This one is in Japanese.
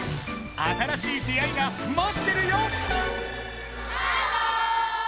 新しい出会いが待ってるよ！